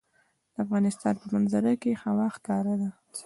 د افغانستان په منظره کې هوا ښکاره ده.